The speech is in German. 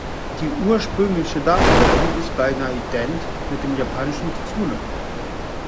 Die ursprüngliche Darstellung ist beinahe ident mit dem japanischen Kitsune.